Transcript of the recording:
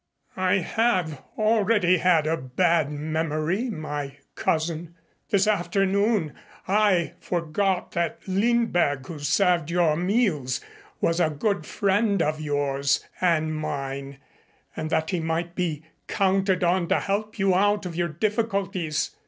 "I have already had a bad memory, my cousin. This afternoon I forgot that Lindberg, who served your meals, was a good friend of yours and mine and that he might be counted on to help you out of your difficulties.